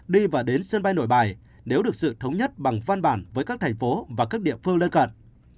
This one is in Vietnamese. đi và đến sân bay nội bài nếu được sự thống nhất bằng văn bản với các thành phố và các địa phương lân cận